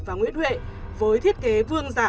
và nguyễn huệ với thiết kế vương giả